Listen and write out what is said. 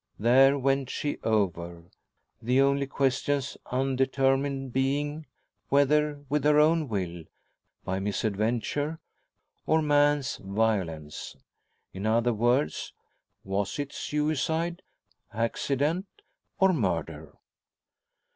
There went she over; the only questions undetermined being, whether with her own will, by misadventure, or man's violence. In other words, was it suicide, accident, or murder?